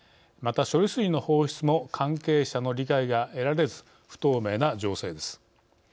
また、処理水の放出も関係者の理解が得られず不透明な情勢です。